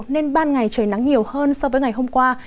nên ban ngày trời nắng nhiều hơn so với ngày hôm qua